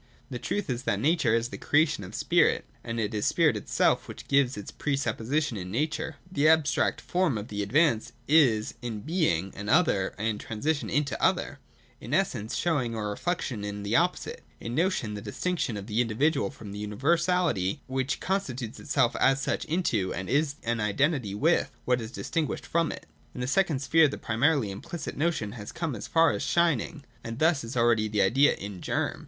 The truth is that Nature is the creation of Spirit, ^ and it is Spirit itself which gives itself a pre supposition in Nature. 240.] The abstract form of the advance is, in Being, an other and transition into an other; in Essence showing or reflection in the opposite ; in Notion, the distinction of individual from universality, which con tinues itself as such into, and is as an identity with, what is distinguished from it. 241.] In the second sphere the primarily implicit notion has come as far as shining, and thus is already the idea in germ.